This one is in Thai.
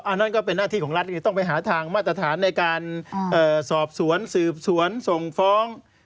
อันนั้นก็เป็นหน้าที่ของรัฐไงต้องไปหาทางมาตรฐานในการสอบสวนสืบสวนส่งฟ้อง